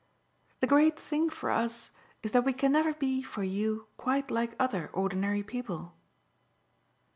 "The great thing for us is that we can never be for you quite like other ordinary people."